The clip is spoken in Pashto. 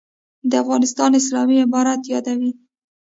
«د افغانستان اسلامي امارت» یادوي.